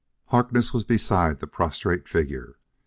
Harkness was beside the prostrate figure.